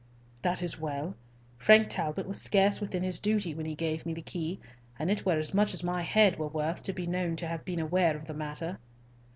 "That is well. Frank Talbot was scarce within his duty when he gave me the key, and it were as much as my head were worth to be known to have been aware of the matter."